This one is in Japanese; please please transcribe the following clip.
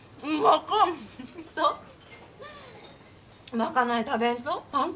まかない食べんと？